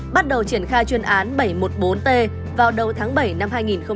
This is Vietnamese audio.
bắt đầu triển khai chuyên án bảy trăm một mươi bốn t vào đầu tháng bảy năm hai nghìn hai mươi